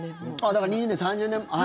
だから２０年、３０年。